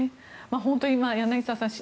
本当に柳澤さん